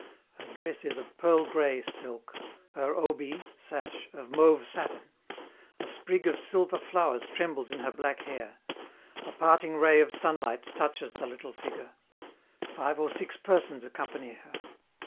Her dress is of pearl gray silk, her obi (sash) of mauve satin; a sprig of silver flowers trembles in her black hair; a parting ray of sunlight touches the little figure; five or six persons accompany her.